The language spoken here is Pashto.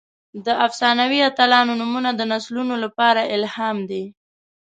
د افسانوي اتلانو نومونه د نسلونو لپاره الهام دي.